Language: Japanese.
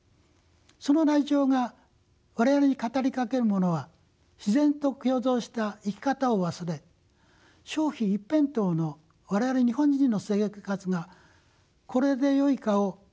そのライチョウが我々に語りかけるものは自然と共存した生き方を忘れ消費一辺倒の我々日本人の生活がこれでよいかを問いかけてるように思います。